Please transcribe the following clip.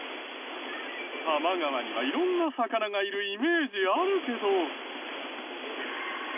多摩川には色んな魚がいるイメージあるけど。